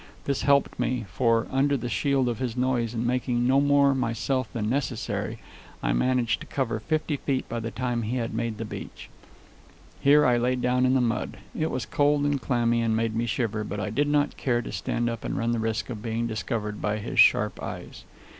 This helped me, for, under the shield of his noise and making no more myself than necessary, I managed to cover fifty feet by the time he had made the beach. Here I lay down in the mud. It was cold and clammy, and made me shiver, but I did not care to stand up and run the risk of being discovered by his sharp eyes.